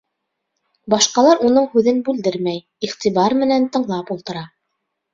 Башҡалар уның һүҙен бүлдермәй, иғтибар менән тыңлап ултыра.